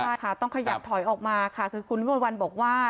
ใช่ค่ะต้องขยับถอยออกมาค่ะคือคุณวิมวลวันบอกว่า